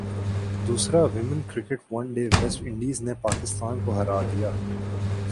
دوسرا women cricket one day west Indies نےپاکستان کوہرادیا